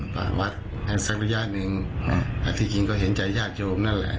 ต่างวัดแสกอนุญาตหนึ่งอาทิกิงก็เห็นใจญาติโยมนั่นแหละ